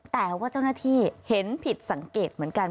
แต่ว่าเจ้าหน้าที่เห็นผิดสังเกตเหมือนกัน